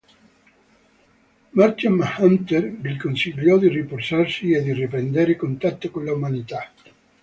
Martian Manhunter gli consigliò di riposarsi e di riprendere contatto con l'umanità.